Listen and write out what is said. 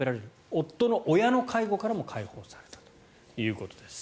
夫の親の介護からも解放されたということです。